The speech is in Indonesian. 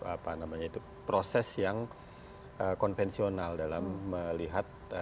apa namanya itu proses yang konvensional dalam melihat